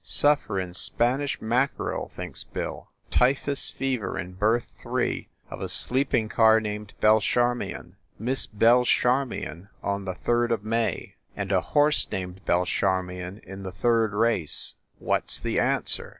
"Sufferin Spanish mackerel!" thinks Bill. "Ty phus fever in berth three of a sleeping car named Belcharmion. Miss Belle Charmion on the third of May, and a horse named Belcharmion in the third race ! What s the answer